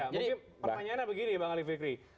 jadi pertanyaannya begini pak rally fikri